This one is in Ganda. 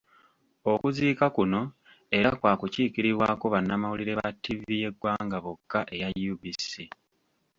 Okuziika kuno era kwakukikiribwako bannamawulire ba ttivi y'eggwanga bokka eya UBC.